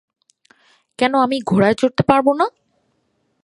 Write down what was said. কেন আমি ঘোড়ায় চড়তে পারব না?